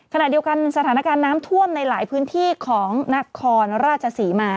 ขณะเดียวกันสถานการณ์น้ำท่วมในหลายพื้นที่ของนครราชศรีมา